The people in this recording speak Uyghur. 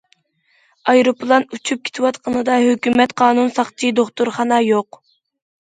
ئايروپىلان ئۇچۇپ كېتىۋاتقىنىدا ھۆكۈمەت، قانۇن، ساقچى، دوختۇرخانا يوق.